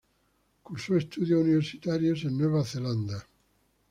Cursó estudios universitarios en Nueva Zelanda.